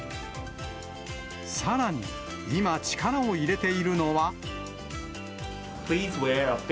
さらに、今、力を入れているのは。